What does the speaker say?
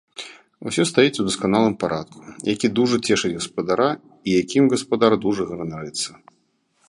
Усё стаіць у дасканалым парадку, які дужа цешыць гаспадара і якім гаспадар дужа ганарыцца.